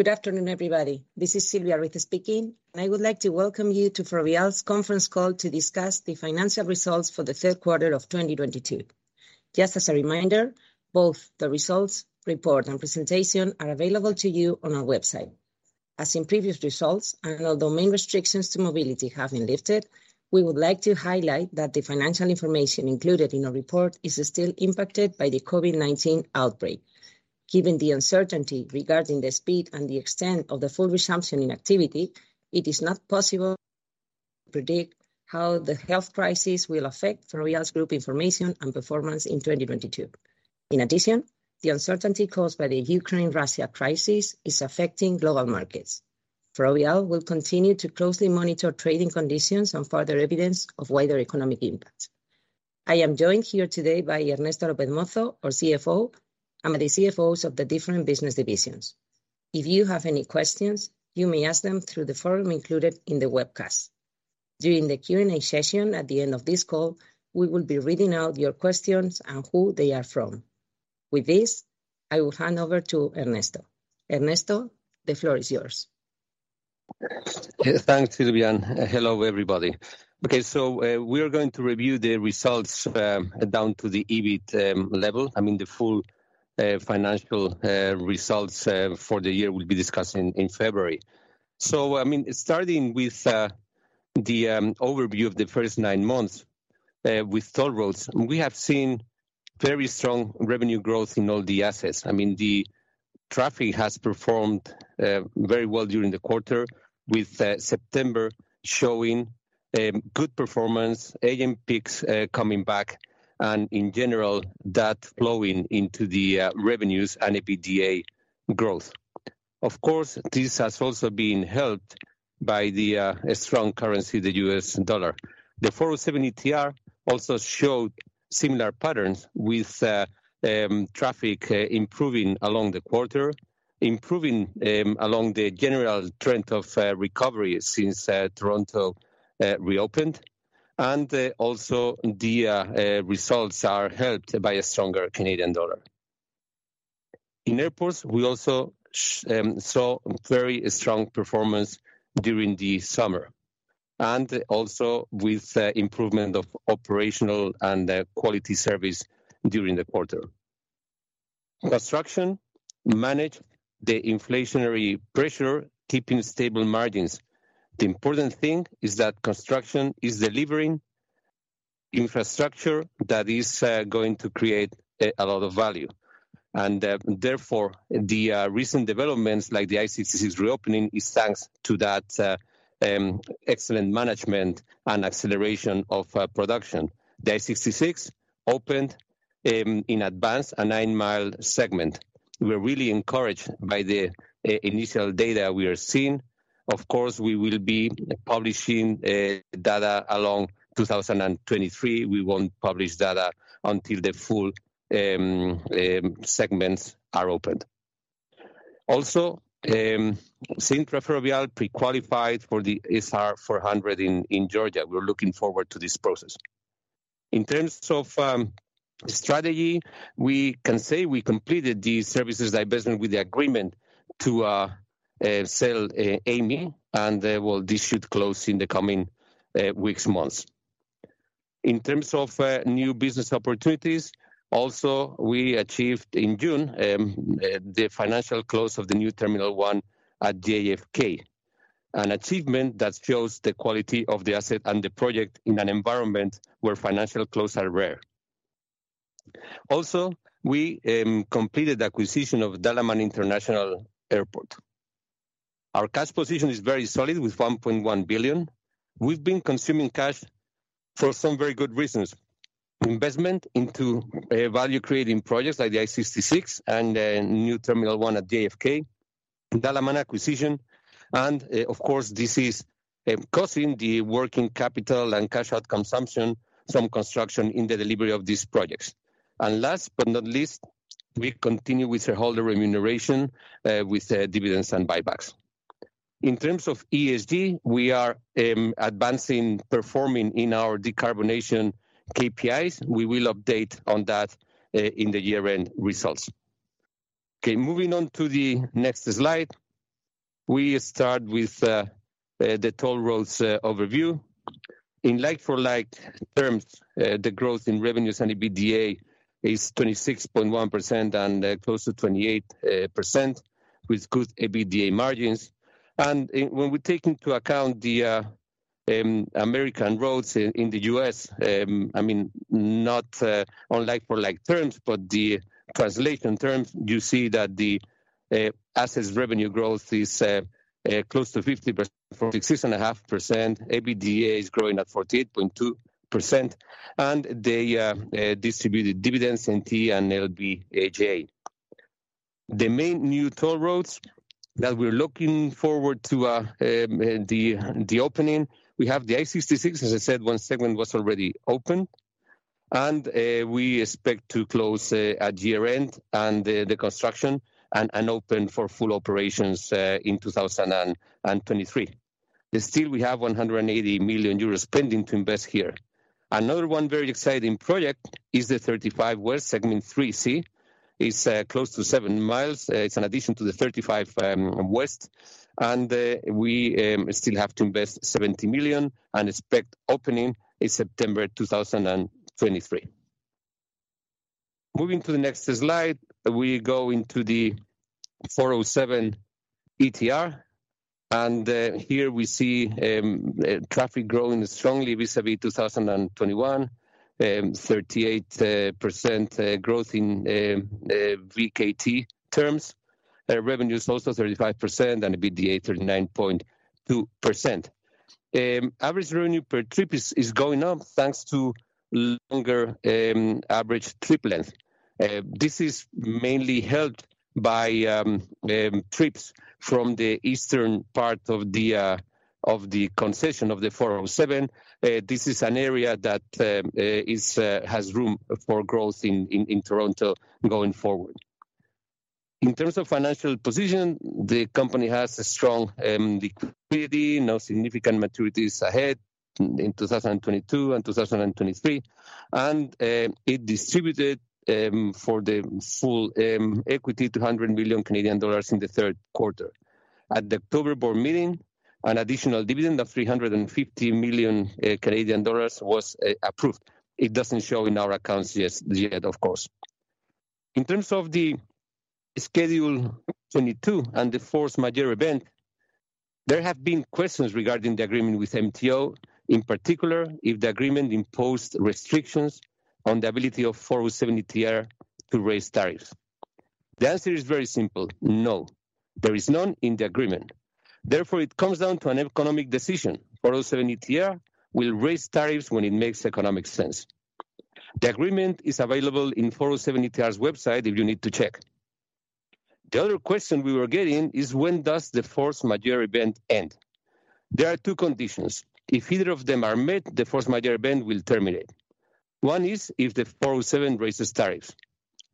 Good afternoon, everybody. This is Silvia Ruiz speaking, and I would like to welcome you to Ferrovial's conference call to discuss the financial results for the third quarter of 2022. Just as a reminder, both the results, report, and presentation are available to you on our website. As in previous results, and although main restrictions to mobility have been lifted, we would like to highlight that the financial information included in our report is still impacted by the COVID-19 outbreak. Given the uncertainty regarding the speed and the extent of the full resumption in activity, it is not possible to predict how the health crisis will affect Ferrovial's group information and performance in 2022. In addition, the uncertainty caused by the Ukraine-Russia crisis is affecting global markets. Ferrovial will continue to closely monitor trading conditions and further evidence of wider economic impact. I am joined here today by Ernesto López Mozo, our CFO, and the CFOs of the different business divisions. If you have any questions, you may ask them through the forum included in the webcast. During the Q&A session at the end of this call, we will be reading out your questions and who they are from. With this, I will hand over to Ernesto. Ernesto, the floor is yours. Thanks, Silvia, and hello, everybody. Okay, we are going to review the results down to the EBIT level. I mean, the full financial results for the year will be discussed in February. I mean, starting with the overview of the first nine months with toll roads, we have seen very strong revenue growth in all the assets. I mean, the traffic has performed very well during the quarter, with September showing good performance, AM peaks coming back, and in general, that flowing into the revenues and EBITDA growth. Of course, this has also been helped by the strong currency, the US dollar. The 407 ETR also showed similar patterns with traffic improving along the quarter along the general trend of recovery since Toronto reopened. Also the results are helped by a stronger Canadian dollar. In airports, we also saw very strong performance during the summer, and also with the improvement of operational and quality service during the quarter. Construction managed the inflationary pressure, keeping stable margins. The important thing is that construction is delivering infrastructure that is going to create a lot of value. Therefore, the recent developments, like the I-66 reopening, is thanks to that excellent management and acceleration of production. The I-66 opened in advance a 9-mile segment. We're really encouraged by the initial data we are seeing. Of course, we will be publishing data in 2023. We won't publish data until the full segments are opened. Cintra Ferrovial pre-qualified for the SR400 in Georgia. We're looking forward to this process. In terms of strategy, we can say we completed the services divestment with the agreement to sell Amey, and well, this should close in the coming weeks, months. In terms of new business opportunities, we achieved in June the financial close of the New Terminal One at JFK, an achievement that shows the quality of the asset and the project in an environment where financial close are rare. Also, we completed the acquisition of Dalaman International Airport. Our cash position is very solid with 1.1 billion. We've been consuming cash for some very good reasons. Investment into value-creating projects like the I-66 and the New Terminal One at JFK, Dalaman acquisition, and of course, this is causing the working capital and cash out consumption, some construction in the delivery of these projects. Last but not least, we continue with shareholder remuneration with dividends and buybacks. In terms of ESG, we are advancing, performing in our decarbonization KPIs. We will update on that in the year-end results. Okay, moving on to the next slide. We start with the toll roads overview. In like-for-like terms, the growth in revenues and EBITDA is 26.1% and close to 28% with good EBITDA margins. When we take into account the American roads in the US, I mean, not on like-for-like terms, but the translation terms, you see that the assets revenue growth is close to 50% from 46.5%. EBITDA is growing at 48.2%. The distributed dividends in the US and LBJ. The main new toll roads that we're looking forward to the opening, we have the I-66, as I said, one segment was already open. We expect to close at year-end and the construction and open for full operations in 2023. We still have 180 million euros pending to invest here. Another very exciting project is the I-35W segment 3C. It's close to 7 miles. It's an addition to the 35 West, and we still have to invest 70 million and expect opening in September 2023. Moving to the next slide, we go into the 407 ETR. Here we see traffic growing strongly vis-à-vis 2021, 38% growth in VKT terms. Revenue is also 35% and EBITDA 39.2%. Average revenue per trip is going up thanks to longer average trip length. This is mainly helped by trips from the eastern part of the concession of the 407. This is an area that has room for growth in Toronto going forward. In terms of financial position, the company has a strong liquidity, no significant maturities ahead in 2022 and 2023, and it distributed for the full equity 200 million Canadian dollars in the third quarter. At the October board meeting, an additional dividend of 350 million Canadian dollars was approved. It doesn't show in our accounts yet, of course. In terms of the Schedule 22 and the force majeure event, there have been questions regarding the agreement with MTO, in particular, if the agreement imposed restrictions on the ability of 407 ETR to raise tariffs. The answer is very simple, no. There is none in the agreement. Therefore, it comes down to an economic decision. 407 ETR will raise tariffs when it makes economic sense. The agreement is available in 407 ETR's website if you need to check. The other question we were getting is when does the force majeure event end? There are two conditions. If either of them are met, the force majeure event will terminate. One is if the 407 raises tariffs.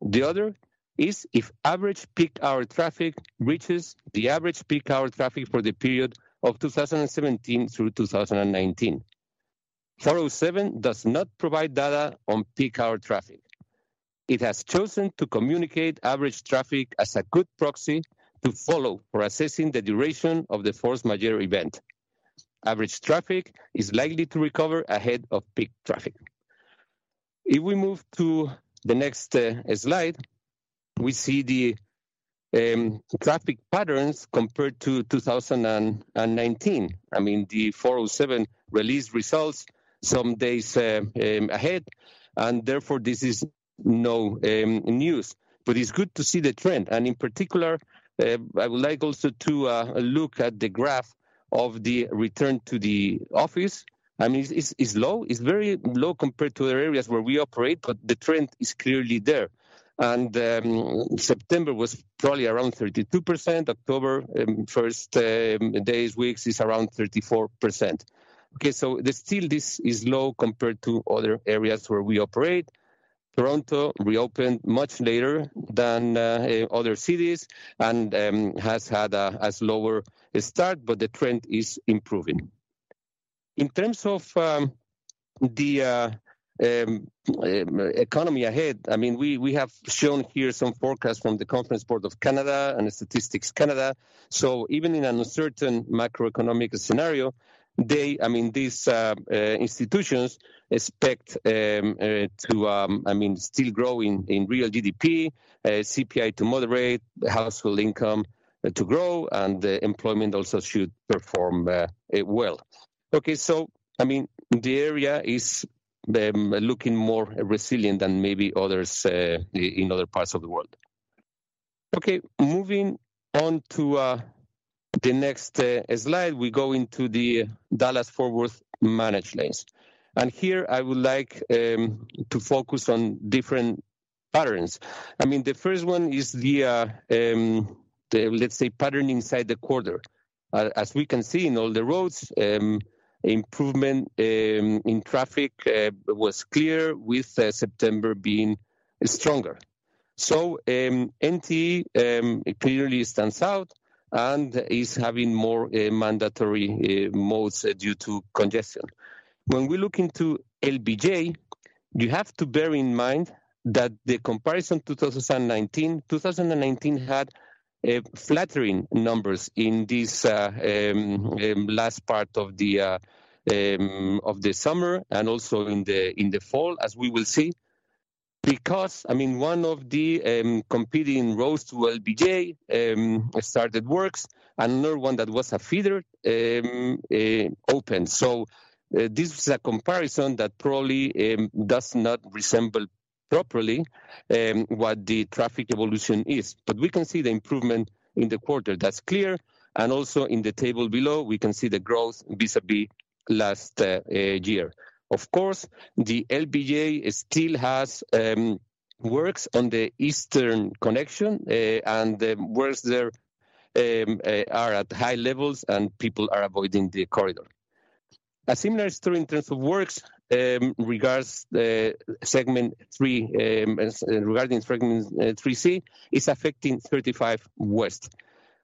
The other is if average peak hour traffic reaches the average peak hour traffic for the period of 2017 through 2019. 407 does not provide data on peak hour traffic. It has chosen to communicate average traffic as a good proxy to follow for assessing the duration of the force majeure event. Average traffic is likely to recover ahead of peak traffic. If we move to the next slide, we see the traffic patterns compared to 2019. I mean, the four oh seven released results some days ahead, and therefore this is no news. It's good to see the trend. In particular, I would like also to look at the graph of the return to the office. I mean, it's low. It's very low compared to other areas where we operate, but the trend is clearly there. September was probably around 32%. October first days weeks is around 34%. Okay, there's still this is low compared to other areas where we operate. Toronto reopened much later than other cities and has had a slower start, but the trend is improving. In terms of the economy ahead, I mean, we have shown here some forecasts from the Conference Board of Canada and Statistics Canada. Even in an uncertain macroeconomic scenario, they, I mean, these institutions expect to still grow in real GDP, CPI to moderate, household income to grow, and employment also should perform well. Okay, I mean, the area is looking more resilient than maybe others in other parts of the world. Okay, moving on to the next slide, we go into the Dallas-Fort Worth managed lanes. Here I would like to focus on different patterns. I mean, the first one is the, let's say, pattern inside the quarter. As we can see in all the roads, improvement in traffic was clear with September being stronger. NT clearly stands out and is having more mandatory modes due to congestion. When we look into LBJ, you have to bear in mind that the comparison to 2019. 2019 had flattering numbers in this last part of the summer and also in the fall, as we will see. Because, I mean, one of the competing roads to LBJ started works, another one that was a feeder opened. This was a comparison that probably does not resemble properly what the traffic evolution is. But we can see the improvement in the quarter. That's clear. Also in the table below, we can see the growth vis-à-vis last year. Of course, the LBJ still has works on the eastern connection, and the works there are at high levels, and people are avoiding the corridor. A similar story in terms of works regards the segment three, and regarding segment three C, it's affecting 35 west.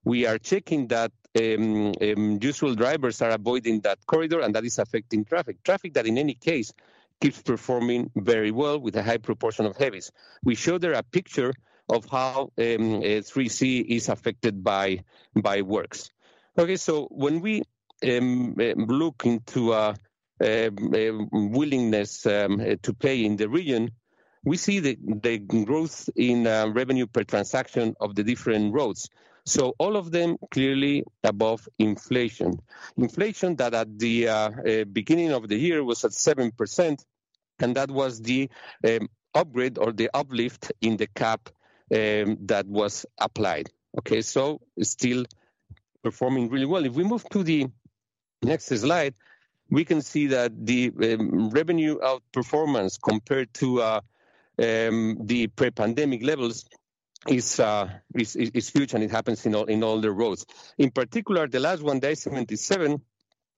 We are checking that usual drivers are avoiding that corridor, and that is affecting traffic. Traffic that, in any case, keeps performing very well with a high proportion of heavies. We show there a picture of how three C is affected by works. Okay. When we look into willingness to pay in the region, we see the growth in revenue per transaction of the different roads. All of them clearly above inflation. Inflation that at the beginning of the year was at 7%, and that was the upgrade or the uplift in the cap that was applied. Okay? Still performing really well. If we move to the next slide, we can see that the revenue outperformance compared to the pre-pandemic levels is huge, and it happens in all the roads. In particular, the last one, the I-77,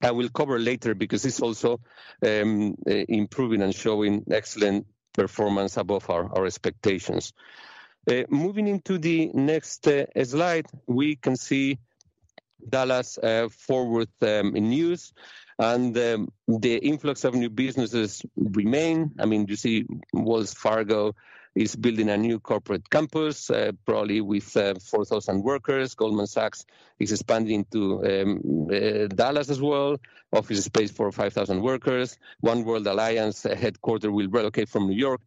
I will cover later because it's also improving and showing excellent performance above our expectations. Moving into the next slide, we can see Dallas-Fort Worth news and the influx of new businesses remain. I mean, you see Wells Fargo is building a new corporate campus, probably with 4,000 workers. Goldman Sachs is expanding to Dallas as well, office space for 5,000 workers. Oneworld Alliance headquarters will relocate from New York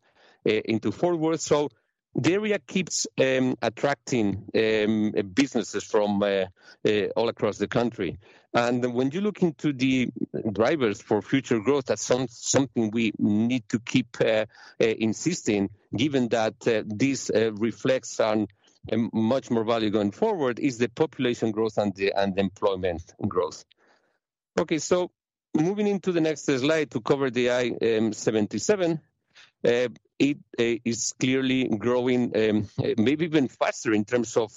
into Fort Worth. The area keeps attracting businesses from all across the country. When you look into the drivers for future growth, that's something we need to keep insisting, given that this reflects on much more value going forward, is the population growth and employment growth. Okay. Moving into the next slide to cover the I-77, it is clearly growing, maybe even faster in terms of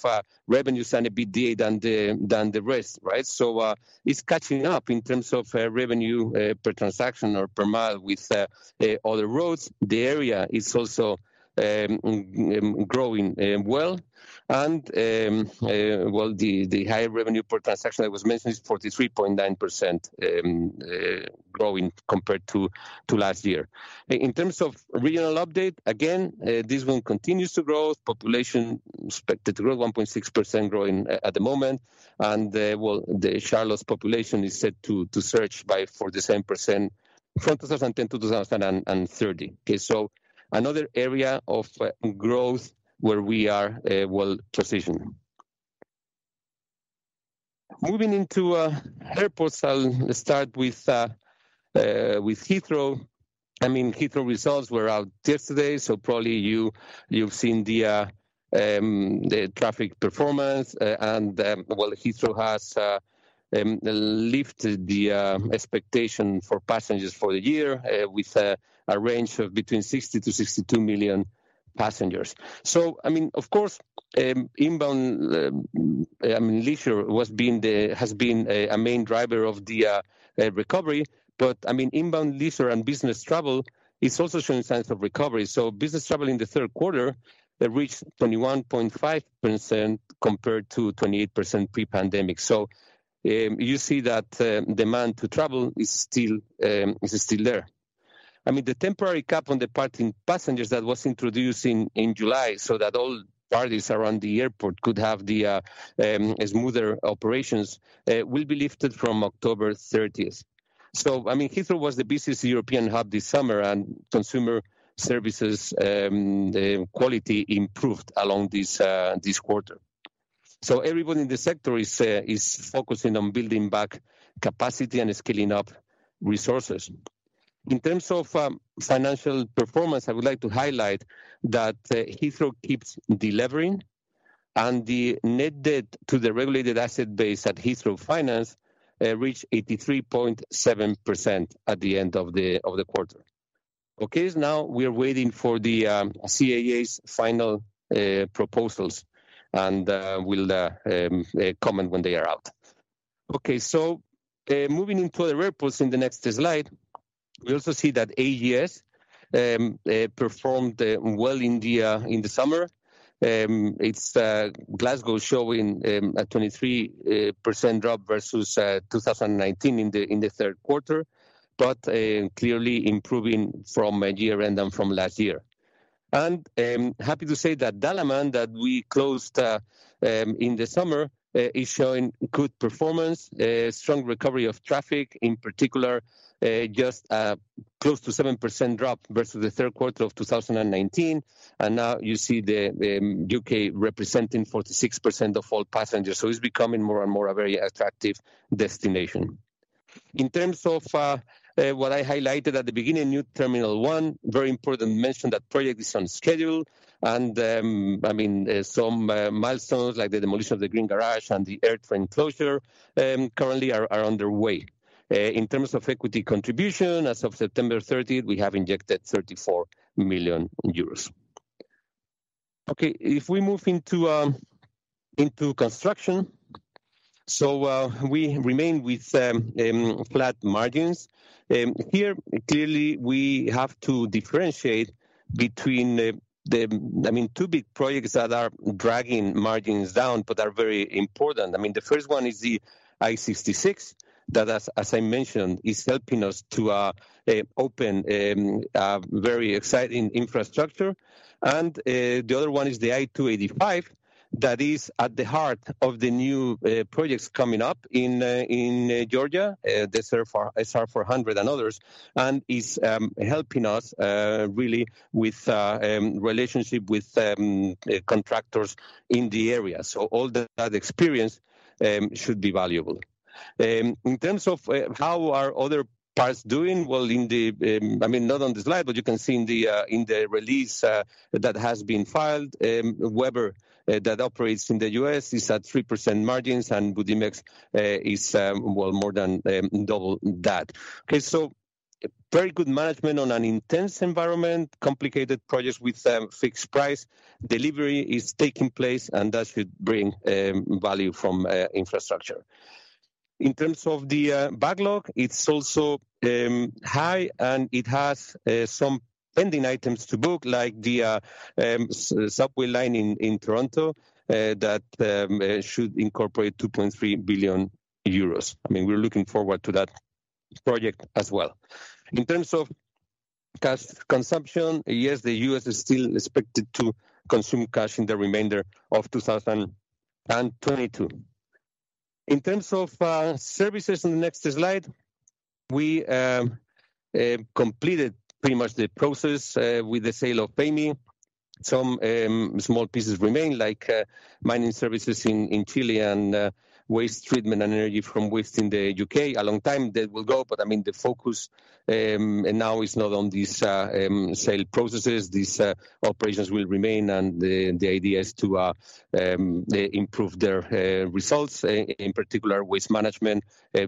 revenues and EBITDA than the rest, right? It's catching up in terms of revenue per transaction or per mile with other roads. The area is also growing well, and the high revenue per transaction that was mentioned is 43.9% growing compared to last year. In terms of regional update, again, this one continues to grow. Population expected to grow 1.6%, and Charlotte's population is set to surge by 47% from 2010 to 2030. Okay. Another area of growth where we are well-positioned. Moving into airports, I'll start with Heathrow. I mean, Heathrow results were out yesterday, so probably you've seen the traffic performance, and well, Heathrow has lifted the expectation for passengers for the year, with a range of between 60-62 million passengers. I mean, of course, inbound leisure has been a main driver of the recovery, but I mean, inbound leisure and business travel is also showing signs of recovery. Business travel in the third quarter that reached 21.5% compared to 28% pre-pandemic. You see that demand to travel is still there. I mean, the temporary cap on departing passengers that was introduced in July so that all parties around the airport could have the smoother operations will be lifted from October thirtieth. I mean, Heathrow was the busiest European hub this summer, and consumer services the quality improved along this quarter. Everyone in the sector is focusing on building back capacity and scaling up resources. In terms of financial performance, I would like to highlight that Heathrow keeps delevering, and the net debt to the regulated asset base at Heathrow Finance reached 83.7% at the end of the quarter. Okay. Now we are waiting for the CAA's final proposals and we'll comment when they are out. Okay. Moving into other airports in the next slide, we also see that AGS performed well in the summer. It's Glasgow showing a 23% drop versus 2019 in the third quarter, but clearly improving from a year end and from last year. I'm happy to say that Dalaman that we closed in the summer is showing good performance, strong recovery of traffic, in particular, just close to 7% drop versus the third quarter of 2019. Now you see the UK representing 46% of all passengers, so it's becoming more and more a very attractive destination. In terms of what I highlighted at the beginning, New Terminal One, very important mention that project is on schedule, and I mean some milestones like the demolition of the green garage and the AirTrain closure currently are underway. In terms of equity contribution, as of September thirtieth, we have injected 34 million euros. Okay, if we move into construction. We remain with flat margins. Here, clearly, we have to differentiate between the, I mean, two big projects that are dragging margins down but are very important. I mean, the first one is the I-66 that, as I mentioned, is helping us to open a very exciting infrastructure. The other one is the I-285 that is at the heart of the new projects coming up in Georgia, the SR400 and others. It is helping us really with relationship with contractors in the area. All that experience should be valuable. In terms of how are other parts doing, well, I mean, not on the slide, but you can see in the release that has been filed. Webber that operates in the U.S. is at 3% margins, and Budimex is, well, more than double that. Very good management in an intense environment, complicated projects with fixed price. Delivery is taking place, and that should bring value from infrastructure. In terms of the backlog, it's also high, and it has some pending items to book, like the subway line in Toronto that should incorporate 2.3 billion euros. I mean, we're looking forward to that project as well. In terms of cash consumption, yes, the US is still expected to consume cash in the remainder of 2022. In terms of services in the next slide, we completed pretty much the process with the sale of Amey. Some small pieces remain, like mining services in Chile and waste treatment and energy from waste in the UK. A long time to go. I mean, the focus now is not on these sale processes. These operations will remain, and the idea is to improve their results, in particular, waste management,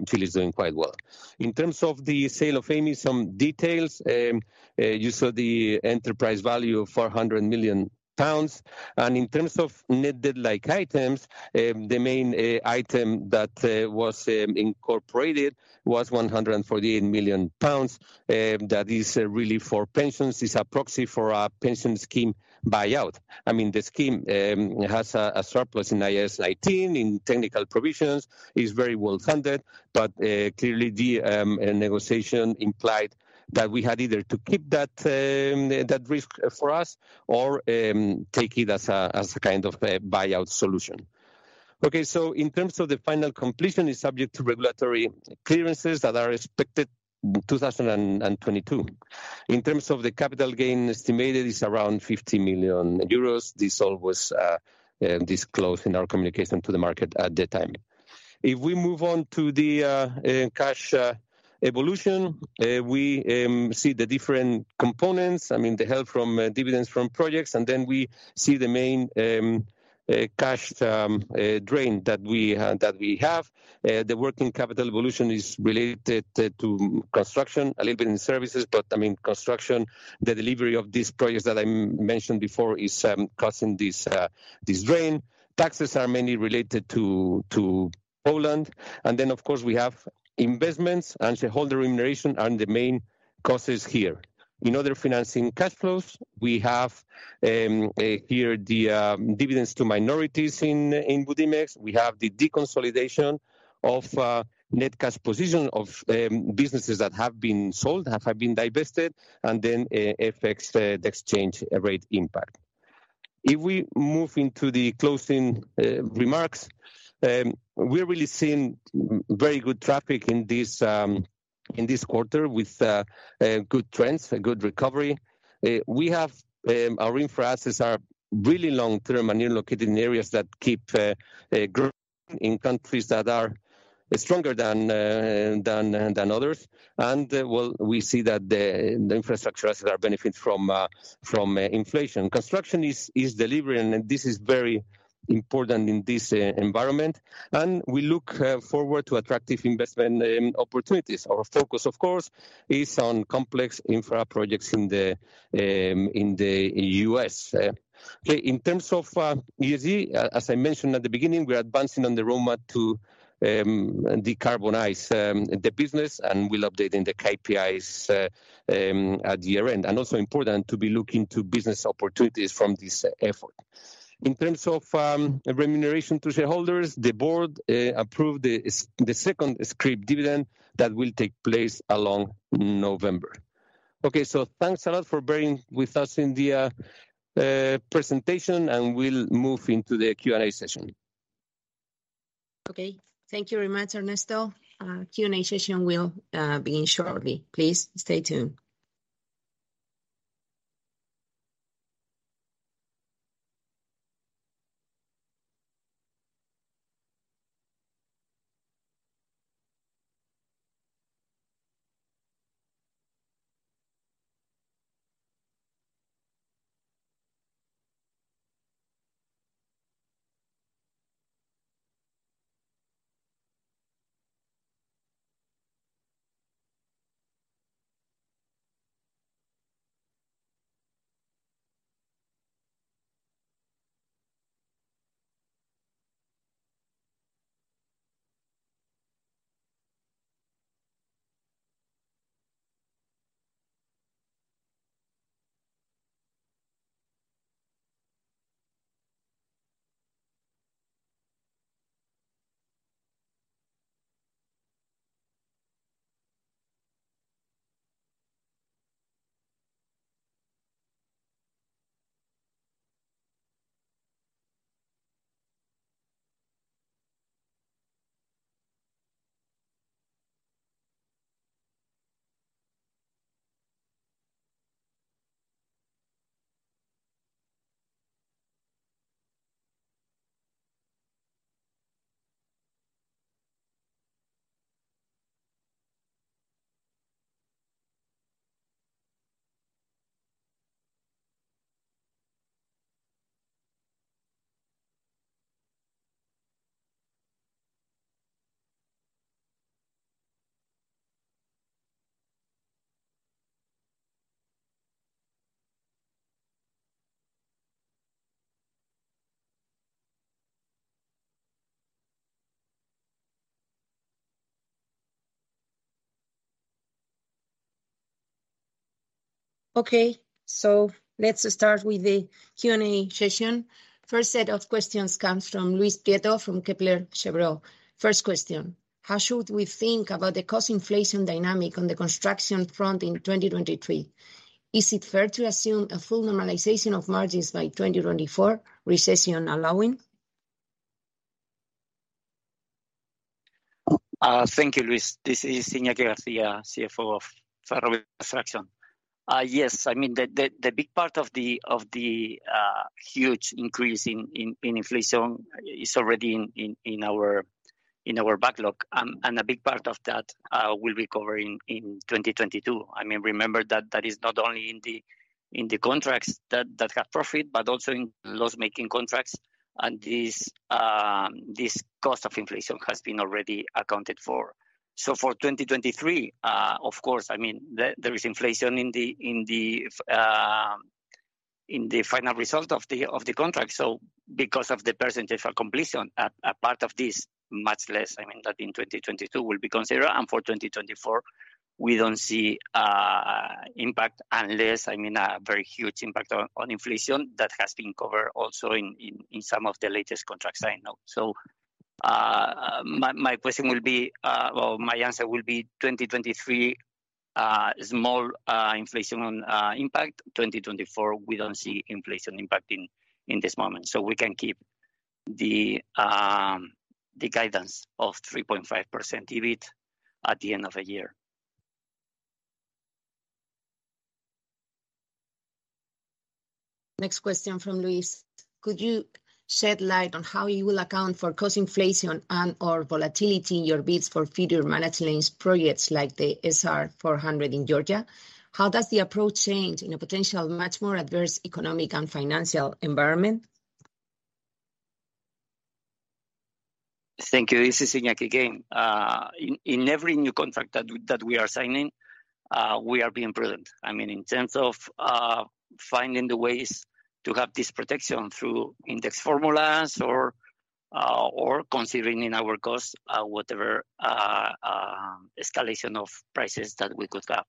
Chile's doing quite well. In terms of the sale of Amey, some details. You saw the enterprise value of 400 million pounds. In terms of net debt-like items, the main item that was incorporated was 148 million pounds. That is really for pensions. It's a proxy for our pension scheme buyout. I mean, the scheme has a surplus in IAS 19 in technical provisions. It's very well-funded, but clearly, the negotiation implied that we had either to keep that risk for us or take it as a kind of a buyout solution. Okay, in terms of the final completion, it's subject to regulatory clearances that are expected in 2022. In terms of the capital gain, estimated is around 50 million euros. This all was disclosed in our communication to the market at the time. If we move on to the cash evolution, we see the different components, I mean, the help from dividends from projects, and then we see the main cash drain that we have. The working capital evolution is related to construction, a little bit in services, but, I mean, construction, the delivery of these projects that I mentioned before is causing this drain. Taxes are mainly related to Poland. Of course, we have investments and shareholder remuneration are the main causes here. In other financing cash flows, we have here the dividends to minorities in Budimex. We have the deconsolidation of net cash position of businesses that have been sold, have been divested, and then FX, the exchange rate impact. If we move into the closing remarks, we're really seeing very good traffic in this quarter with good trends, a good recovery. Our infra assets are really long-term and they're located in areas that keep growing in countries that are stronger than others. Well, we see that the infrastructure assets are benefiting from inflation. Construction is delivering, and this is very important in this environment. We look forward to attractive investment opportunities. Our focus, of course, is on complex infra projects in the U.S. In terms of ESG, as I mentioned at the beginning, we're advancing on the roadmap to decarbonize the business, and we'll update in the KPIs at year-end. Also important to be looking to business opportunities from this effort. In terms of remuneration to shareholders, the board approved the second scrip dividend that will take place in November. Thanks a lot for bearing with us in the presentation, and we'll move into the Q&A session. Okay. Thank you very much, Ernesto. Q&A session will begin shortly. Please stay tuned. Okay, let's start with the Q&A session. First set of questions comes from Luis Prieto from Kepler Cheuvreux. First question, how should we think about the cost inflation dynamic on the construction front in 2023? Is it fair to assume a full normalization of margins by 2024, recession allowing? Thank you, Luis. This is Iñaki García, CFO of Ferrovial Construction. Yes. I mean, the big part of the huge increase in inflation is already in our backlog. A big part of that will recover in 2022. I mean, remember that is not only in the contracts that have profit, but also in loss-making contracts. This cost of inflation has been already accounted for. For 2023, of course, I mean, there is inflation in the final result of the contract. Because of the percentage of completion, a part of this, much less than in 2022, will be considered. For 2024, we don't see impact unless, I mean, a very huge impact on inflation that has been covered also in some of the latest contracts I know. My answer will be 2023, small inflation impact. 2024, we don't see inflation impact in this moment. We can keep the guidance of 3.5% EBIT at the end of the year. Next question from Luis Prieto. Could you shed light on how you will account for cost inflation and/or volatility in your bids for future managed lanes projects like the SR400 in Georgia? How does the approach change in a potential much more adverse economic and financial environment? Thank you. This is Iñaki again. In every new contract that we are signing, we are being prudent. I mean, in terms of finding the ways to have this protection through index formulas or considering in our costs whatever escalation of prices that we could have.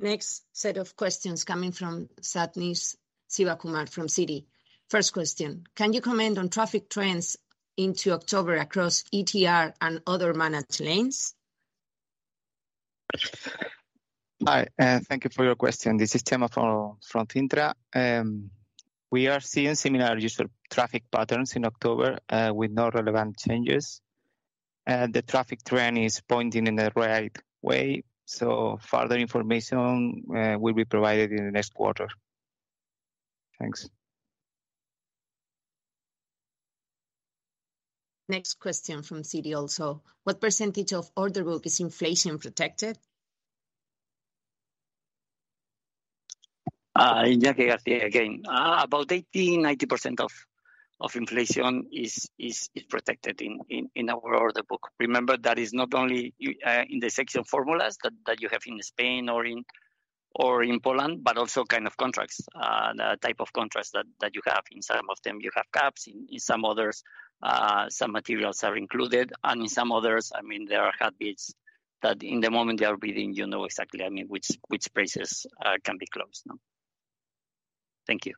Next set of questions coming from Sathish Sivakumar from Citi. First question, can you comment on traffic trends into October across ETR and other managed lanes? Hi, thank you for your question. This is Chema from Cintra. We are seeing similar user traffic patterns in October, with no relevant changes. The traffic trend is pointing in the right way, so further information will be provided in the next quarter. Thanks. Next question from Citi also. What percentage of order book is inflation protected? Iñaki García again. About 80-90% of inflation is protected in our order book. Remember that is not only in the section of formulas that you have in Spain or in Poland, but also kind of contracts. The type of contracts that you have. In some of them you have caps, in some others some materials are included, and in some others, I mean, there are clauses that in the moment they are bidding you know exactly, I mean, which prices can be closed. Thank you.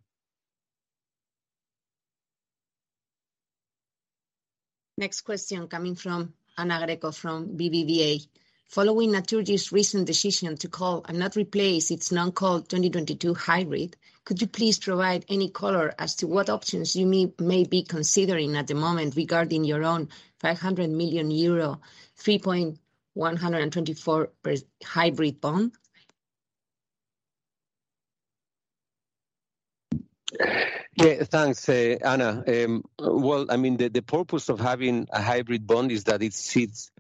Next question coming from Ana Greco from BBVA. Following Naturgy's recent decision to call and not replace its non-call 2022 hybrid, could you please provide any color as to what options you may be considering at the moment regarding your own 500 million euro, 3.124% hybrid bond? Yeah, thanks, Ana. Well, I mean, the purpose of having a hybrid bond is that it sits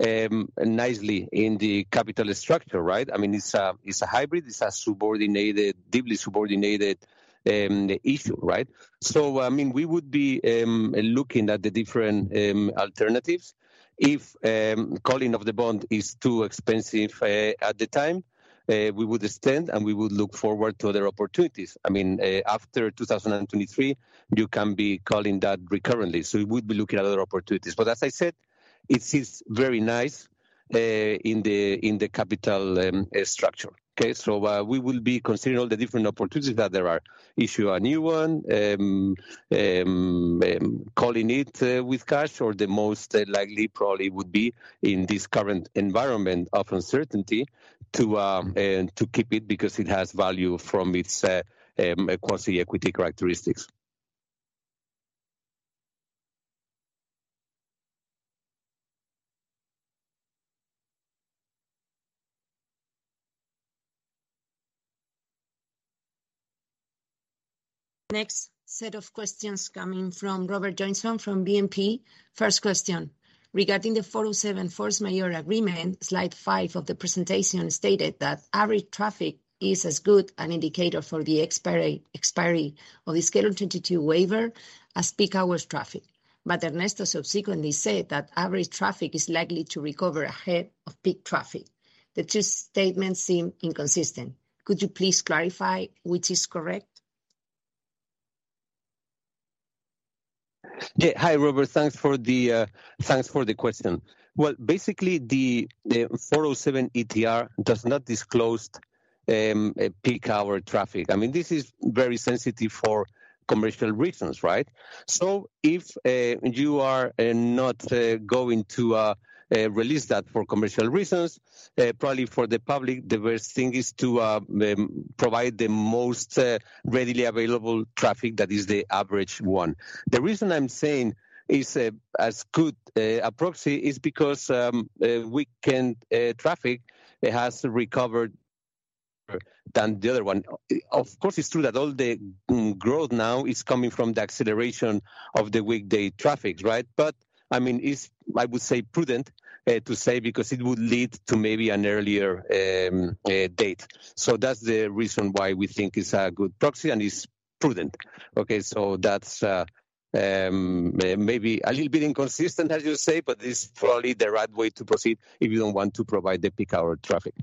nicely in the capital structure, right? I mean, it's a hybrid, it's a subordinated, deeply subordinated issue, right? I mean, we would be looking at the different alternatives. If calling of the bond is too expensive at the time, we would extend, and we would look forward to other opportunities. I mean, after 2023, you can be calling that recurrently, so we would be looking at other opportunities. As I said, it sits very nice in the capital structure. Okay. We will be considering all the different opportunities that there are, issue a new one, calling it with cash, or the most likely probably would be in this current environment of uncertainty to keep it because it has value from its quasi-equity characteristics. Next set of questions coming from Robert Johnson from BNP. First question, regarding the 407 force majeure agreement, Slide 5 of the presentation stated that average traffic is as good an indicator for the expiry of the Schedule 22 waiver as peak hours traffic. Ernesto subsequently said that average traffic is likely to recover ahead of peak traffic. The two statements seem inconsistent. Could you please clarify which is correct? Hi, Robert. Thanks for the question. Well, basically the 407 ETR does not disclose peak hour traffic. I mean, this is very sensitive for commercial reasons, right? If you are not going to release that for commercial reasons, probably for the public, the worst thing is to provide the most readily available traffic that is the average one. The reason I'm saying it's as good a proxy is because weekend traffic has recovered more than the other one. Of course, it's true that all the growth now is coming from the acceleration of the weekday traffic, right? I mean, it's, I would say, prudent to say because it would lead to maybe an earlier date. That's the reason why we think it's a good proxy, and it's prudent. Okay, that's maybe a little bit inconsistent, as you say, but it's probably the right way to proceed if you don't want to provide the peak hour traffic.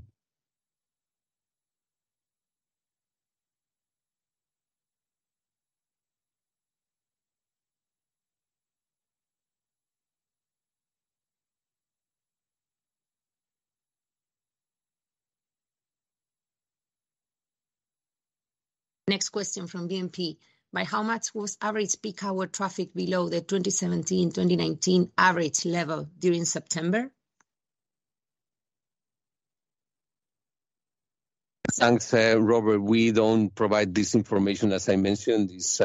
Next question from BNP. By how much was average peak hour traffic below the 2017-2019 average level during September? Thanks, Robert. We don't provide this information. As I mentioned, it's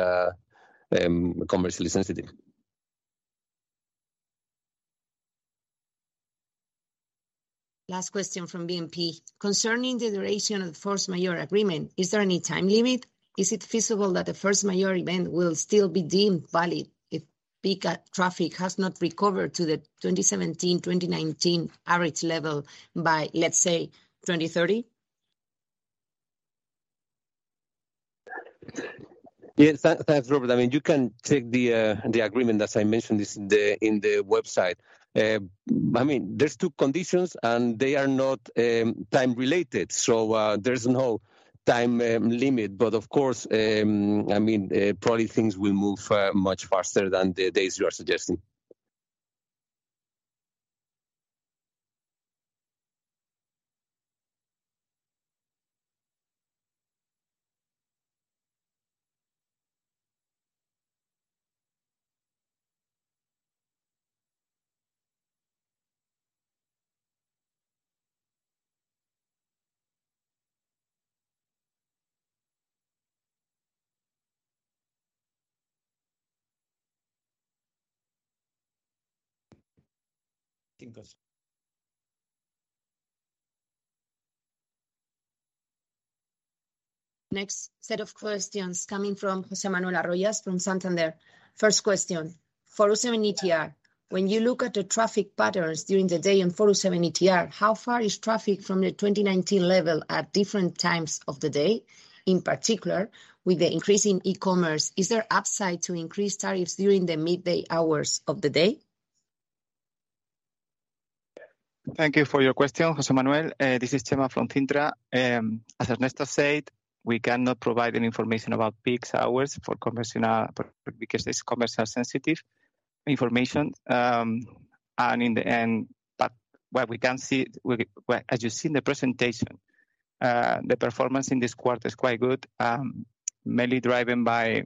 commercially sensitive. Last question from BNP. Concerning the duration of the force majeure agreement, is there any time limit? Is it feasible that the force majeure event will still be deemed valid if peak traffic has not recovered to the 2017-2019 average level by, let's say, 2030? Yeah. Thanks, Robert. I mean, you can check the agreement, as I mentioned. It's in the website. I mean, there's two conditions, and they are not time related, so there's no time limit. Of course, I mean, probably things will move much faster than the days you are suggesting. Thank you. Next set of questions coming from José Manuel Arroyas from Santander. First question, 407 ETR. When you look at the traffic patterns during the day in 407 ETR, how far is traffic from the 2019 level at different times of the day? In particular, with the increase in e-commerce, is there upside to increased tariffs during the midday hours of the day? Thank you for your question, José Manuel. This is Chema from Cintra. As Ernesto said, we cannot provide any information about peak hours for commercial because it's commercially sensitive information. In the end, but what we can see, as you see in the presentation, the performance in this quarter is quite good, mainly driven by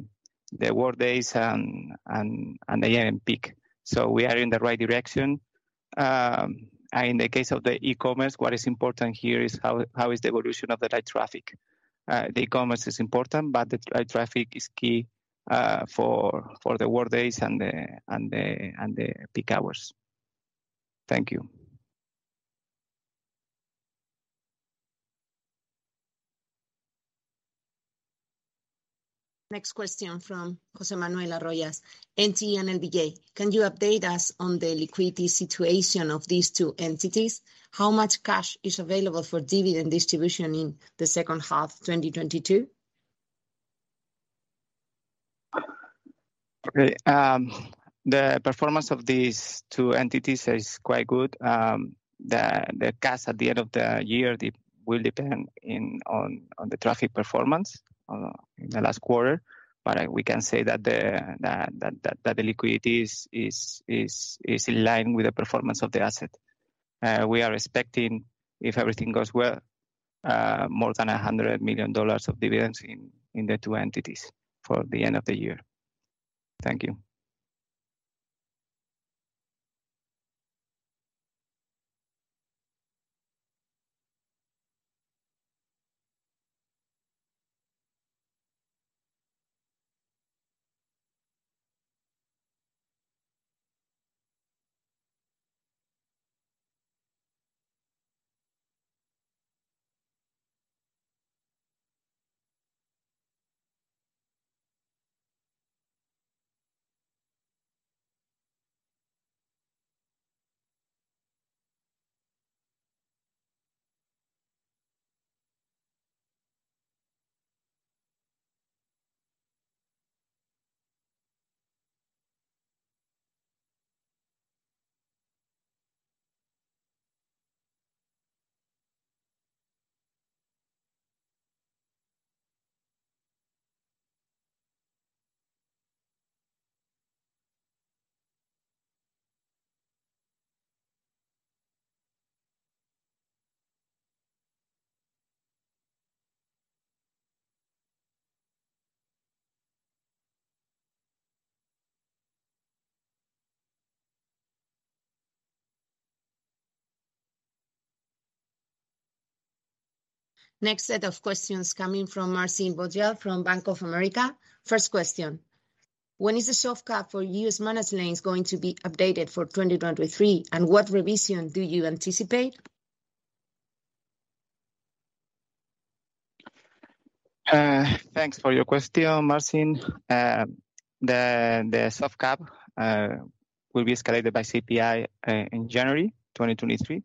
the workdays and the AM peak. We are in the right direction. In the case of the e-commerce, what is important here is how is the evolution of the light traffic. The e-commerce is important, but the light traffic is key for the workdays and the peak hours. Thank you. Next question from José Manuel Arroyas. NT and LBJ, can you update us on the liquidity situation of these two entities? How much cash is available for dividend distribution in the second half 2022? Okay. The performance of these two entities is quite good. The cash at the end of the year will depend on the traffic performance in the last quarter. We can say that the liquidity is in line with the performance of the asset. We are expecting, if everything goes well, more than $100 million of dividends in the two entities for the end of the year. Thank you. Next set of questions coming from Marcin Wojtal from Bank of America. First question: When is the soft cap for U.S. managed lanes going to be updated for 2023, and what revision do you anticipate? Thanks for your question, Marcin. The soft cap will be escalated by CPI in January 2023,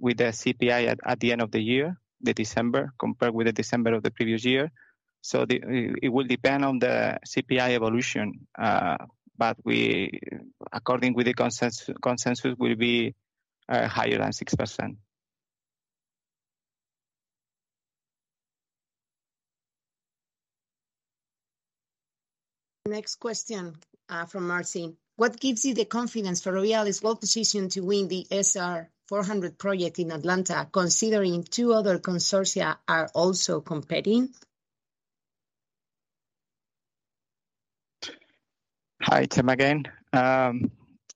with the CPI at the end of the year, the December, compared with the December of the previous year. It will depend on the CPI evolution. We, according to the consensus, will be higher than 6%. Next question, from Marcin. What gives you the confidence Ferrovial is well-positioned to win the SR400 project in Atlanta, considering two other consortia are also competing? Hi, it's him again.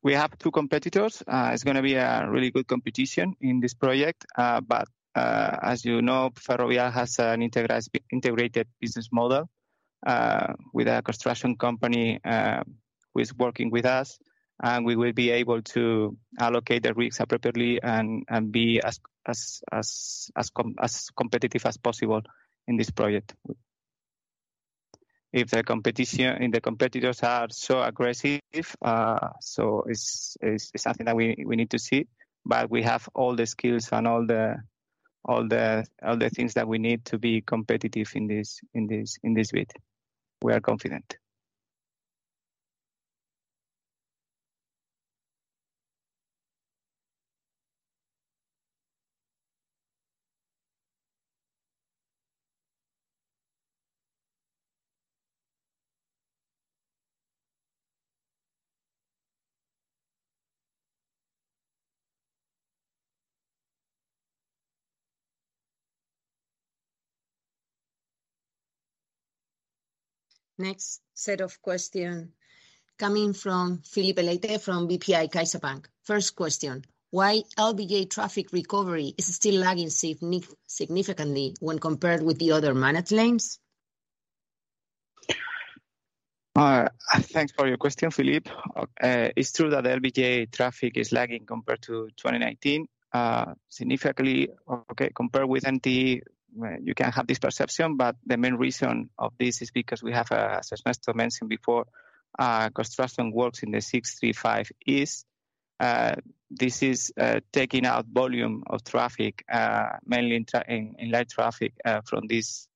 We have two competitors. It's gonna be a really good competition in this project. As you know, Ferrovial has an integrated business model with a construction company who is working with us, and we will be able to allocate the risks appropriately and be as competitive as possible in this project. If the competition and the competitors are so aggressive, so it's something that we need to see. We have all the skills and all the things that we need to be competitive in this bid. We are confident. Next set of questions coming from Filipe Leite from CaixaBank BPI. First question: why LBJ traffic recovery is still lagging significantly when compared with the other managed lanes? Thanks for your question, Filipe. It's true that LBJ traffic is lagging compared to 2019 significantly. Compared with NT, well, you can have this perception, but the main reason of this is because we have, as Ernesto mentioned before, construction works in the 635 East. This is taking out volume of traffic, mainly in light traffic, from this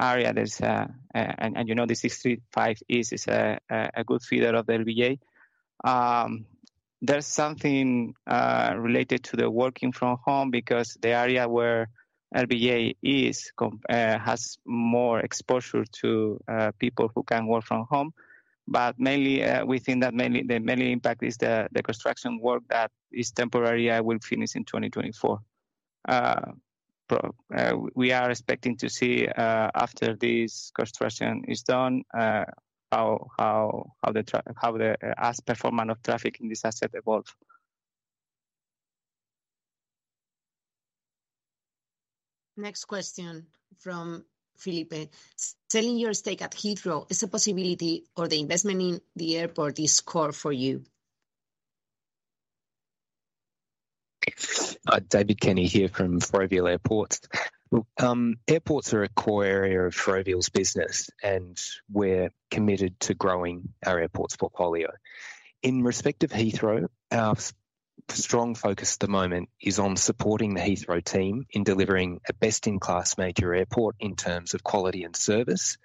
area. You know, the 635 East is a good feeder of the LBJ. There's something related to the working from home because the area where LBJ has more exposure to people who can work from home. Mainly, we think that the impact is the construction work that is temporary and will finish in 2024. We are expecting to see, after this construction is done, how the performance of traffic in this asset evolve. Next question from Filipe. Selling your stake at Heathrow is a possibility or the investment in the airport is core for you? David Kenny here from Ferrovial Airports. Look, airports are a core area of Ferrovial's business, and we're committed to growing our airports portfolio. In respect of Heathrow, our strong focus at the moment is on supporting the Heathrow team in delivering a best-in-class major airport in terms of quality and service.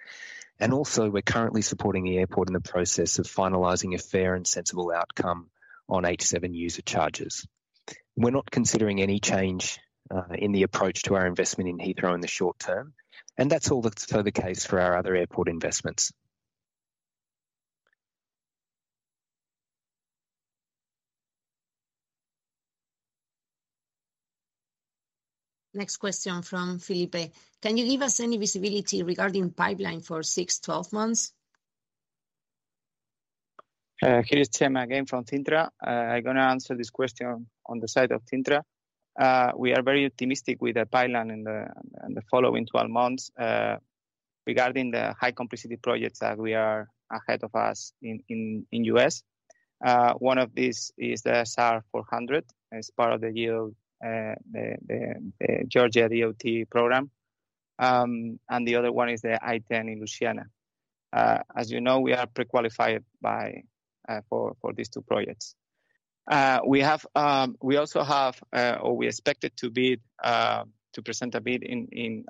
Also, we're currently supporting the airport in the process of finalizing a fair and sensible outcome on H7 user charges. We're not considering any change in the approach to our investment in Heathrow in the short term, and that's all totally the case for our other airport investments. Next question from Filipe. Can you give us any visibility regarding pipeline for 6-12 months? Here is Chema again from Cintra. I'm gonna answer this question on the side of Cintra. We are very optimistic with the pipeline in the following 12 months regarding the high complexity projects that are ahead of us in the US. One of these is the SR400. It's part of the yield the Georgia DOT program. The other one is the I-10 in Louisiana. As you know, we are pre-qualified for these two projects. We also have or we expect to bid to present a bid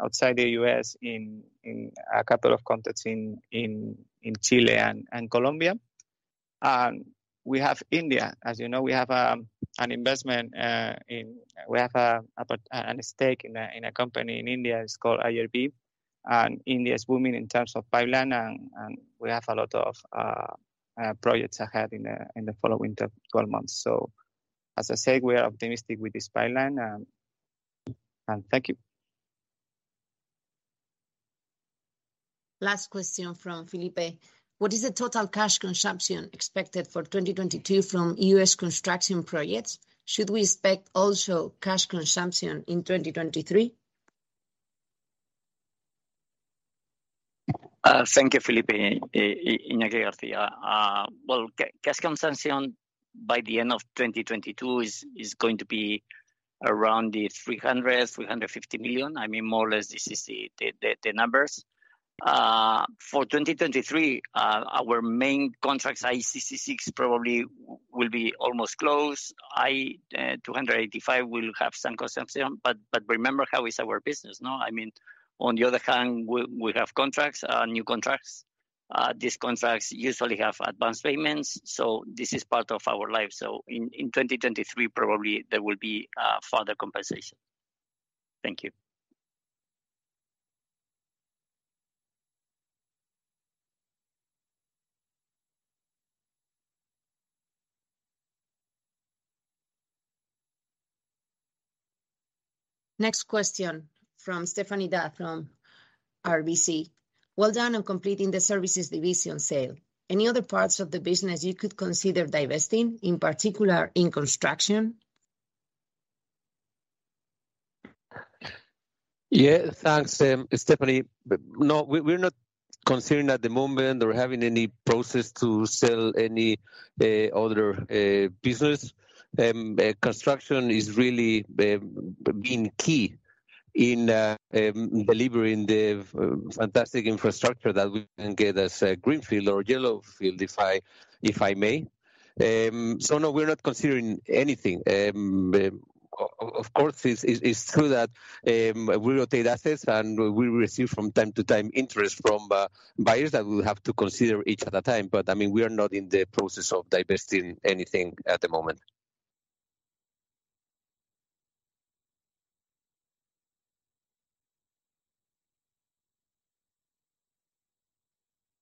outside the US in a couple of contracts in Chile and Colombia. We have India. As you know, we have an investment in. We have about. A stake in a company in India. It's called IRB. India is booming in terms of pipeline and we have a lot of projects ahead in the following 12 months. As I said, we are optimistic with this pipeline, and thank you. Last question from Filipe. What is the total cash consumption expected for 2022 from U.S. construction projects? Should we expect also cash consumption in 2023? Thank you, Philippe. Iñaki García. Well, cash consumption by the end of 2022 is going to be around 300-350 million. I mean, more or less, this is the numbers. For 2023, our main contracts, I-66 probably will be almost close. 285 will have some consumption. Remember how is our business, no? I mean, on the other hand, we have contracts, new contracts. These contracts usually have advanced payments, so this is part of our life. In 2023, probably there will be further compensation. Thank you. Next question from Stéphanie D'Ath from RBC. Well done on completing the services division sale. Any other parts of the business you could consider divesting, in particular in construction? Yeah, thanks, Stéphanie. No, we're not considering at the moment or having any process to sell any other business. Construction is really being key in delivering the fantastic infrastructure that we can get as a greenfield or brownfield, if I may. No, we're not considering anything. Of course, it's true that we rotate assets and we will receive from time to time interest from buyers that we'll have to consider each at a time. I mean, we are not in the process of divesting anything at the moment.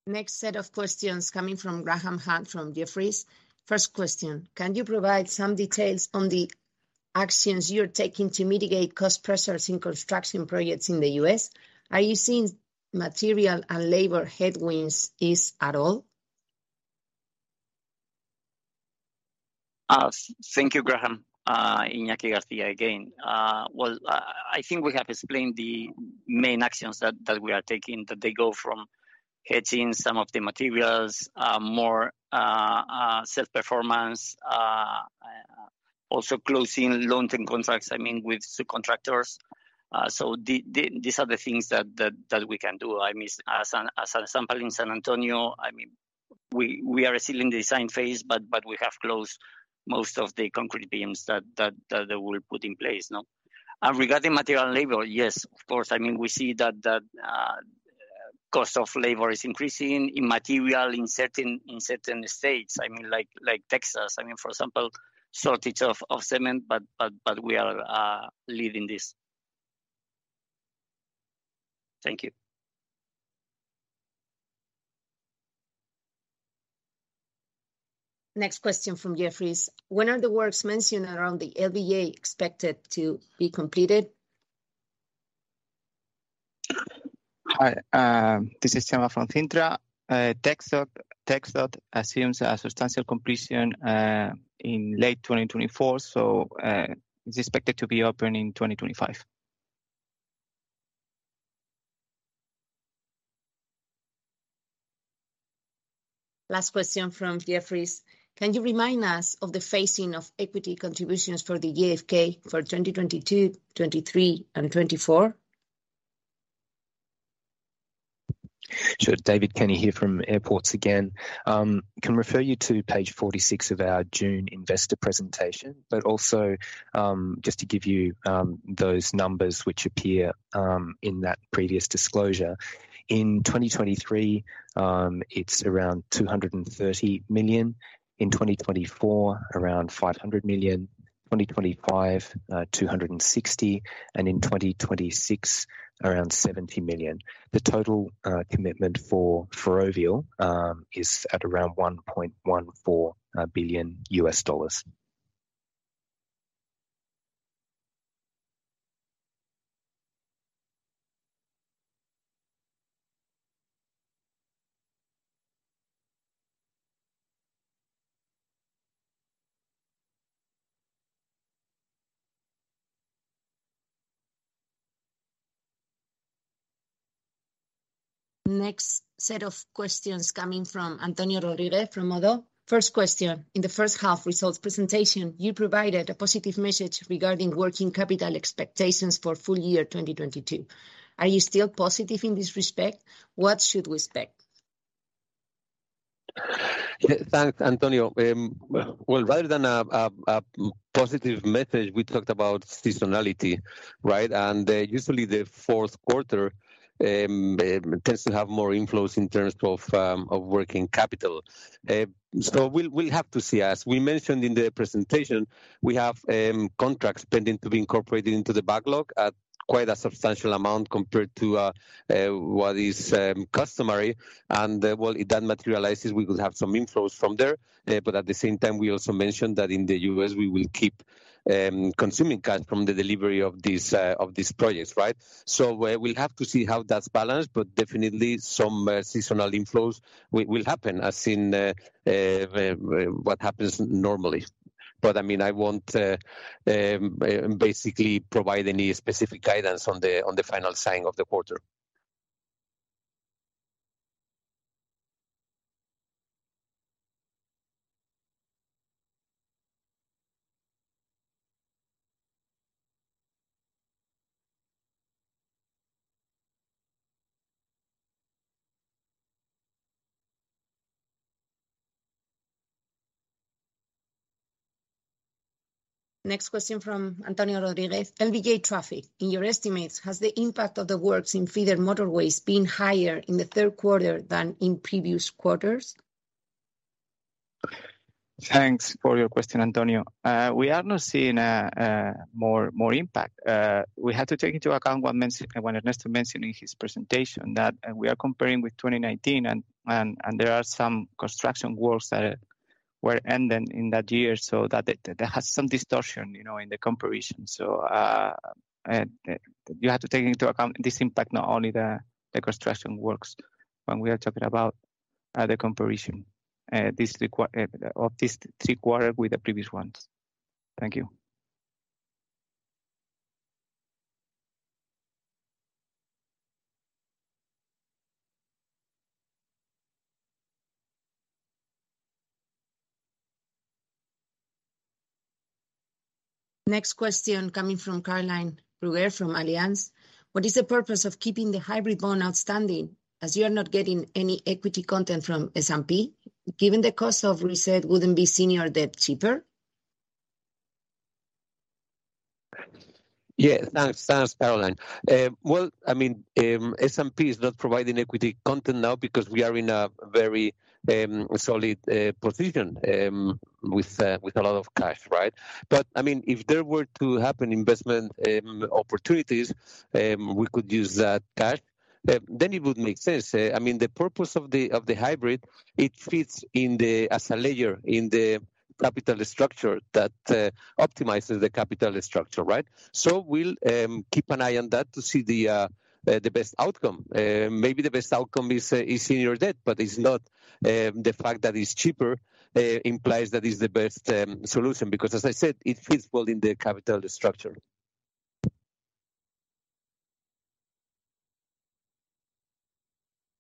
Next set of questions coming from Graham Hunt from Jefferies. First question, can you provide some details on the actions you're taking to mitigate cost pressures in construction projects in the U.S.? Are you seeing material and labor headwinds ease at all? Thank you, Graham. Iñaki García again. Well, I think we have explained the main actions that we are taking that they go from hedging some of the materials, more self-performance, also closing long-term contracts, I mean, with subcontractors. These are the things that we can do. I mean, as an example in San Antonio, I mean, we are still in the design phase, but we have closed most of the concrete beams that they will put in place, no? Regarding materials and labor, yes, of course, I mean, we see that cost of labor is increasing, and materials in certain states, I mean, like Texas. I mean, for example, shortage of cement. We are leading this. Thank you. Next question from Jefferies. When are the works mentioned around the LBJ expected to be completed? Hi, this is Chema from Cintra. TxDOT assumes a substantial completion in late 2024, so it's expected to be open in 2025. Last question from Jefferies. Can you remind us of the phasing of equity contributions for the JFK for 2022, 2023 and 2024? Sure. David Kenny here from Airports again. Can refer you to page 46 of our June investor presentation. Also, just to give you those numbers which appear in that previous disclosure. In 2023, it's around $230 million. In 2024, around $500 million. 2025, $260 million. In 2026, around $70 million. The total commitment for Ferrovial is at around $1.14 billion. Next set of questions coming from Antonio Rodriguez from Oddo BHF. First question, in the first half results presentation, you provided a positive message regarding working capital expectations for full year 2022. Are you still positive in this respect? What should we expect? Yeah. Thanks, Antonio. Rather than a positive message, we talked about seasonality, right? Usually the fourth quarter tends to have more inflows in terms of working capital. We'll have to see. As we mentioned in the presentation, we have contracts pending to be incorporated into the backlog at quite a substantial amount compared to what is customary. If that materializes, we will have some inflows from there. At the same time, we also mentioned that in the U.S. we will keep consuming cash from the delivery of these projects, right? We'll have to see how that's balanced, but definitely some seasonal inflows will happen as in what happens normally. I mean, I won't basically provide any specific guidance on the final figures of the quarter. Next question from Antonio Rodriguez. LBJ traffic, in your estimates, has the impact of the works in feeder motorways been higher in the third quarter than in previous quarters? Thanks for your question, Antonio. We are not seeing more impact. We had to take into account what Ernesto mentioned in his presentation, that we are comparing with 2019 and there are some construction works that were ending in that year, so that there is some distortion, you know, in the comparison. You have to take into account this impact, not only the construction works when we are talking about the comparison of this third quarter with the previous ones. Thank you. Next question coming from Caroline Bruwer from Allianz. What is the purpose of keeping the hybrid bond outstanding as you are not getting any equity content from S&P? Given the cost of reset, wouldn't be senior debt cheaper? Yeah. Thanks, thanks, Caroline. Well, I mean, S&P is not providing equity content now because we are in a very solid position with a lot of cash, right? I mean, if there were to happen investment opportunities, we could use that cash, then it would make sense. I mean, the purpose of the hybrid, it fits in as a layer in the capital structure that optimizes the capital structure, right? We'll keep an eye on that to see the best outcome. Maybe the best outcome is senior debt, but it's not the fact that it's cheaper implies that it's the best solution, because as I said, it fits well in the capital structure.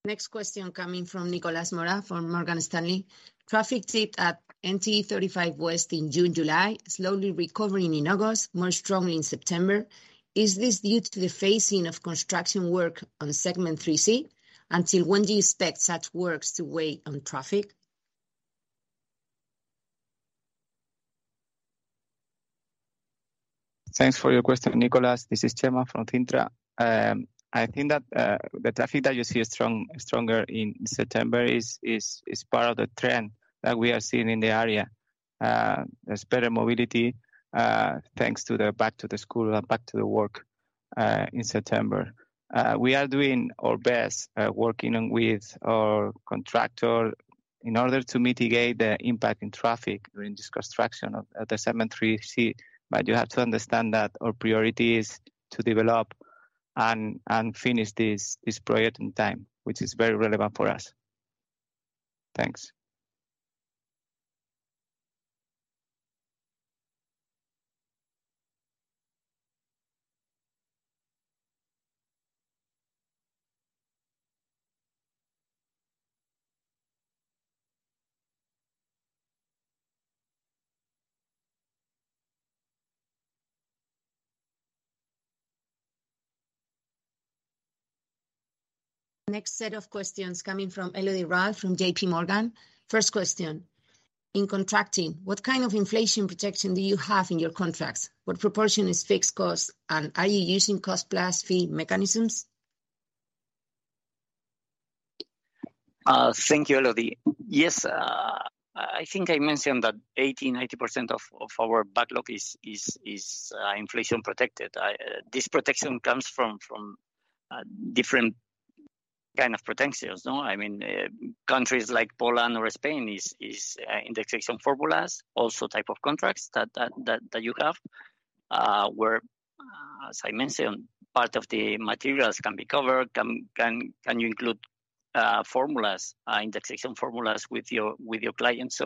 Next question coming from Nicolas Mora from Morgan Stanley. Traffic dip at NT 35 West in June, July, slowly recovering in August, more strongly in September. Is this due to the phasing of construction work on segment three C? Until when do you expect such works to weigh on traffic? Thanks for your question, Nicolas Mora. This is Chema from Cintra. I think that the traffic that you see is strong, stronger in September is part of the trend that we are seeing in the area. There's better mobility, thanks to the back to the school and back to the work, in September. We are doing our best, working with our contractor. In order to mitigate the impact on traffic during this construction at the segment 3C, but you have to understand that our priority is to develop and finish this project on time, which is very relevant for us. Thanks. Next set of questions coming from Elodie Rall from JP Morgan. First question, in contracting, what kind of inflation protection do you have in your contracts? What proportion is fixed cost, and are you using cost-plus fee mechanisms? Thank you, Elodie. Yes, I think I mentioned that 80%-90% of our backlog is inflation protected. This protection comes from different kind of potentials, no? I mean, countries like Poland or Spain have indexation formulas, also type of contracts that you have, where, as I mentioned, part of the materials can be covered, including formulas, indexation formulas with your clients.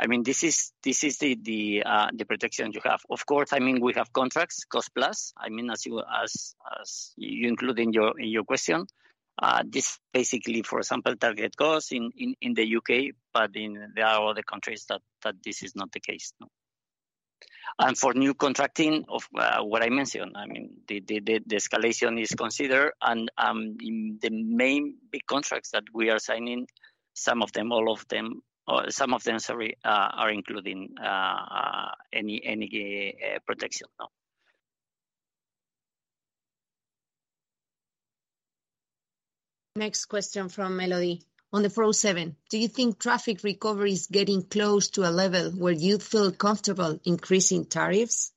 This is the protection you have. Of course, I mean, we have cost-plus contracts, I mean, as you include in your question. This basically, for example, target cost in the UK, but there are other countries that this is not the case, no. For new contracting of what I mentioned, I mean, the escalation is considered and, in the main big contracts that we are signing, some of them, all of them, or some of them, sorry, are including any protection, no. Next question from Elodie. On the 407, do you think traffic recovery is getting close to a level where you feel comfortable increasing tariffs?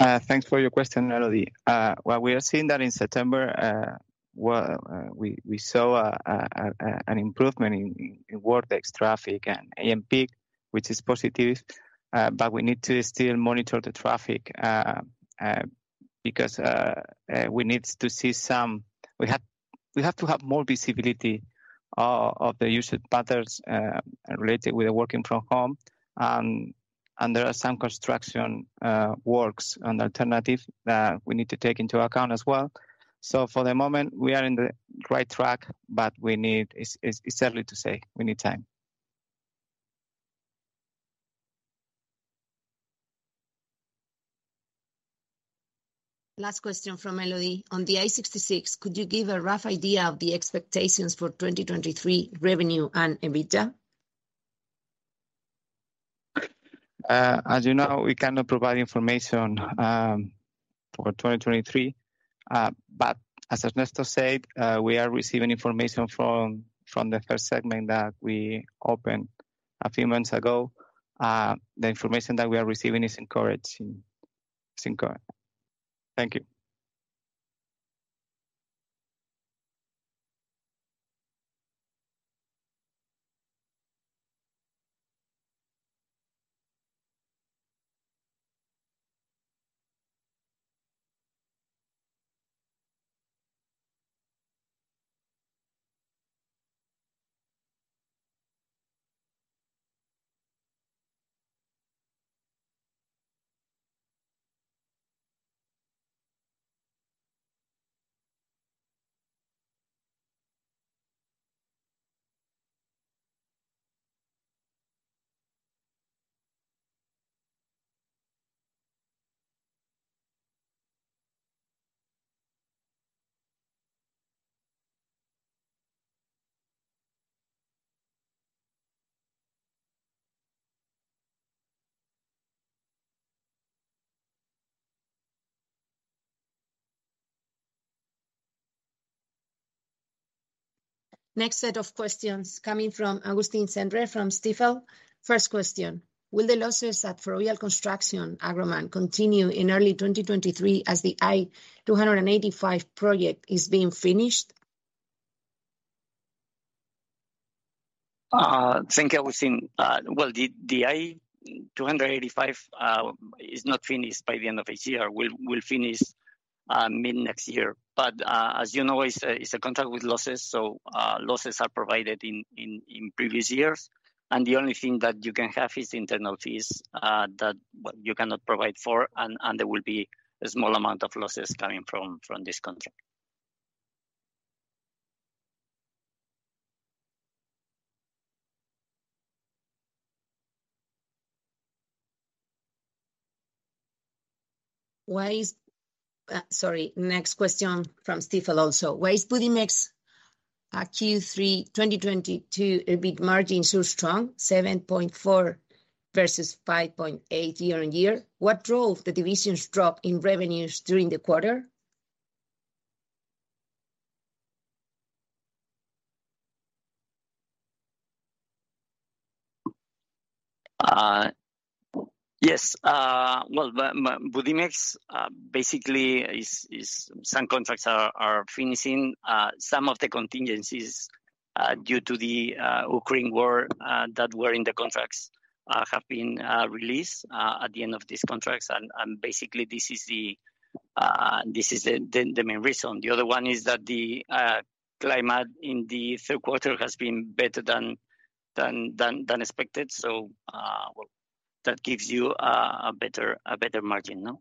Thanks for your question, Elodie. Well, we are seeing that in September, we saw an improvement in overall traffic and ramp, which is positive. But we need to still monitor the traffic because we need to see some. We have to have more visibility of the usage patterns related with working from home. There are some construction works and alternatives that we need to take into account as well. For the moment, we are on the right track, but we need. It's early to say. We need time. Last question from Elodie. On the I-66, could you give a rough idea of the expectations for 2023 revenue and EBITDA? As you know, we cannot provide information for 2023. As Ernesto said, we are receiving information from the first segment that we opened a few months ago. The information that we are receiving is encouraging. Thank you. Next set of questions coming from Augustine Cendre from Stifel. First question, will the losses at Ferrovial Construction Agroman continue in early 2023 as the I-285 project is being finished? Thank you, Augustine. Well, the I-285 is not finished by the end of this year. We'll finish mid-next year. As you know, it's a contract with losses, so losses are provided in previous years. The only thing that you can have is internal fees that you cannot provide for, and there will be a small amount of losses coming from this contract. Next question from Stifel also. Why is Budimex Q3 2022 EBIT margin so strong, 7.4% versus 5.8% year-on-year? What drove the division's drop in revenues during the quarter? Yes. Well, the Budimex basically some contracts are finishing. Some of the contingencies due to the Ukraine war that were in the contracts have been released at the end of these contracts. Basically this is the main reason. The other one is that the climate in the third quarter has been better than expected. That gives you a better margin, no?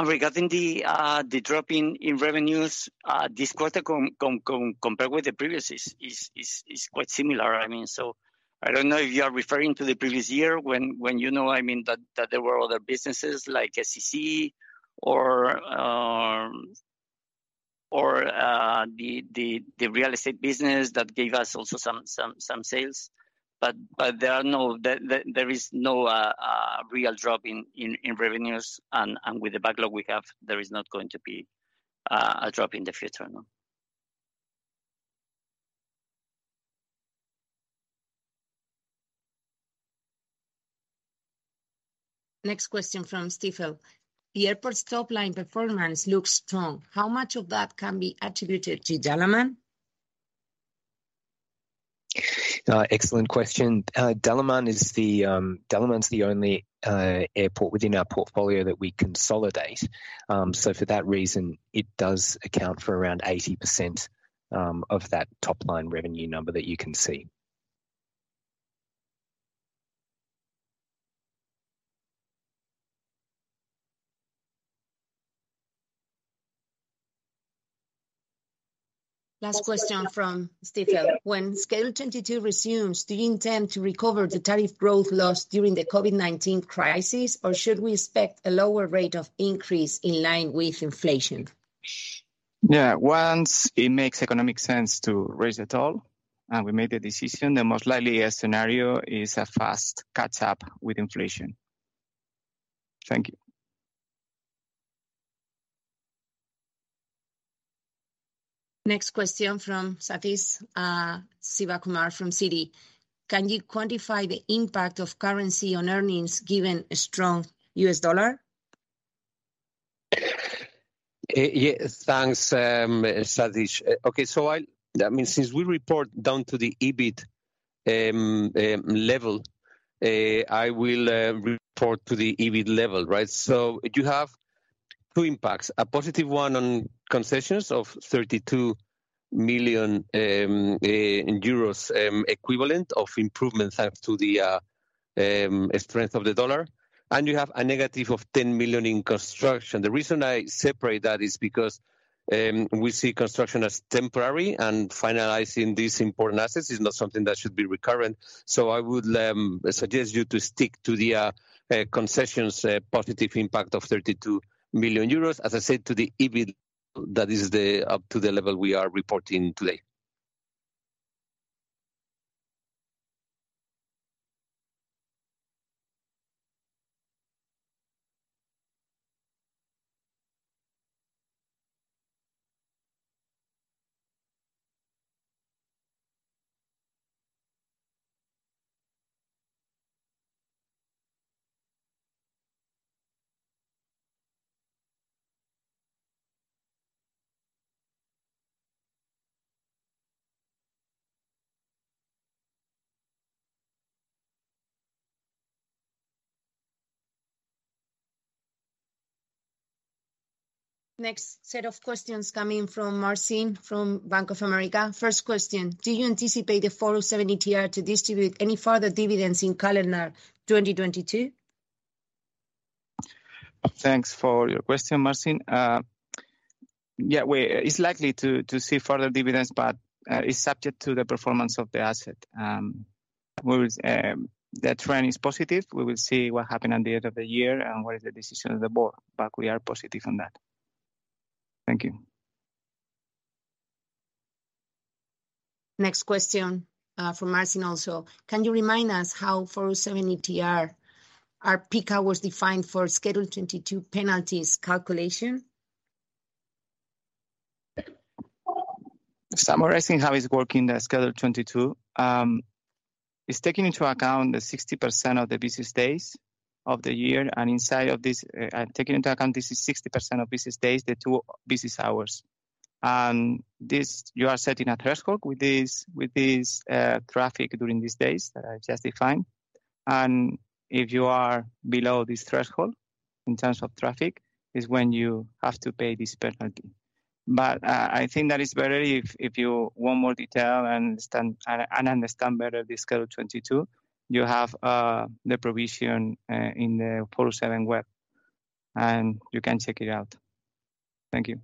Regarding the drop in revenues this quarter compared with the previous is quite similar. I mean, I don't know if you are referring to the previous year when you know, I mean that there were other businesses like FCC or the real estate business that gave us also some sales. There is no real drop in revenues. With the backlog we have, there is not going to be a drop in the future, no. Next question from Stifel. The airport's top line performance looks strong. How much of that can be attributed to Dalaman? Excellent question. Dalaman's the only airport within our portfolio that we consolidate. For that reason, it does account for around 80% of that top line revenue number that you can see. Last question from Stifel. When Schedule 22 resumes, do you intend to recover the tariff growth lost during the COVID-19 crisis, or should we expect a lower rate of increase in line with inflation? Yeah. Once it makes economic sense to raise at all, and we made the decision, the most likely scenario is a fast catch up with inflation. Thank you. Next question from Sathish Sivakumar from Citi. Can you quantify the impact of currency on earnings given a strong U.S. dollar? Yeah, thanks, Sathish. Okay. I mean, since we report down to the EBIT level, I will report to the EBIT level, right? You have two impacts: a positive one on concessions of 32 million in euros equivalent of improvements thanks to the strength of the US dollar, and you have a negative of 10 million in construction. The reason I separate that is because we see construction as temporary, and finalizing these important assets is not something that should be recurrent. I would suggest you to stick to the concessions positive impact of 32 million euros. As I said, to the EBIT, that is the up to the level we are reporting today. Next set of questions coming from Marcin from Bank of America. First question: Do you anticipate the 407 ETR to distribute any further dividends in calendar 2022? Thanks for your question, Marcin. It's likely to see further dividends, but it's subject to the performance of the asset. The trend is positive. We will see what happen at the end of the year and what is the decision of the board, but we are positive on that. Thank you. Next question from Marcin also. Can you remind us how 407 ETR, our peak hour was defined for Schedule 22 penalties calculation? Summarizing how it's working, the Schedule 22 is taking into account the 60% of the business days of the year. Inside of this, taking into account this is 60% of business days, the 2 business hours. This, you are setting a threshold with this traffic during these days that I just defined. If you are below this threshold in terms of traffic, is when you have to pay this penalty. I think that is better if you want more detail and understand better the Schedule 22, you have the provision in the 407 ETR web, and you can check it out. Thank you.